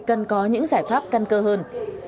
cần có những giải pháp căn cơ hơn